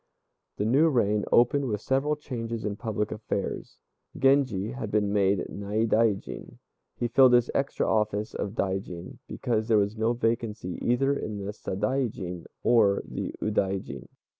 The new reign opened with several changes in public affairs. Genji had been made Naidaijin. He filled this extra office of Daijin because there was no vacancy either in the Sadaijin or the Udaijin.